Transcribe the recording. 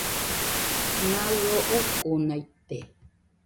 Naɨio ukunaite